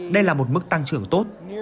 đây là một mức tăng trưởng tốt